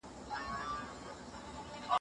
د اوبو په واسطه وجود پاک ساتئ.